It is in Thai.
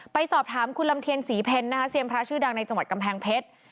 ไปสอบถามคุณลำเทียนศรีเพ็ญนะคะเซียนพระชื่อดังในจังหวัดกำแพงเพชร